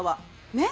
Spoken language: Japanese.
ねっ？